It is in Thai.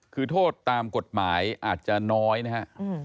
คือโทษตามกฎหมายอาจจะน้อยนะครับ